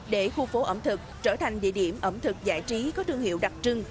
để khu phố ẩm thực trở thành địa điểm ẩm thực giải trí có thương hiệu đặc trưng